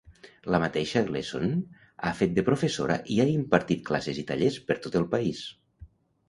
La mateixa Gleason ha fet de professora i ha impartit classes i tallers per tot el país.